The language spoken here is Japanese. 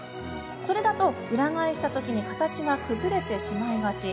それだと裏返したときに形が崩れてしまいがち。